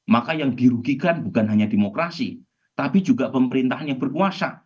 maka yang dirugikan bukan hanya demokrasi tapi juga pemerintahan yang berkuasa